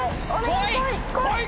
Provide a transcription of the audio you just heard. お願い！